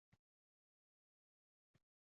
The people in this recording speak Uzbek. Unda nechta kvartira bor?